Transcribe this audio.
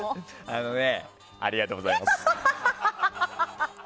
あのねありがとうございます。